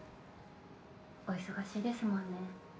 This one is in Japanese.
・お忙しいですもんね。